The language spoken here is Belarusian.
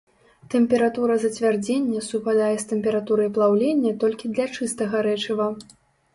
Тэмпература зацвярдзення супадае з тэмпературай плаўлення толькі для чыстага рэчыва.